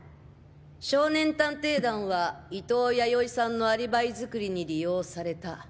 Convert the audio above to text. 少年探偵団は伊東弥生さんのアリバイ作りに利用された。